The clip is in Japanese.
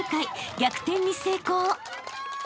［逆転に成功］